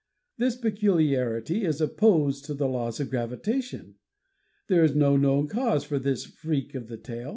This peculiarity is opposed to the laws of gravitation. There is no known cause for this freak of the tail.